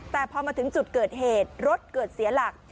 แต่พอมาถึงจุดเกิดเหตุรถเกิดเสียหลัก